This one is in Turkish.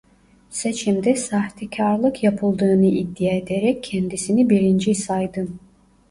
Seçimde sahtekarlık yapıldığını iddia ederek kendisini birinci saydı.